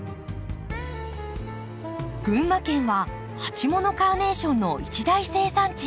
群馬県は鉢物カーネーションの一大生産地。